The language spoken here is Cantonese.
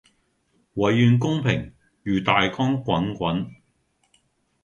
唯願公平如大江滾滾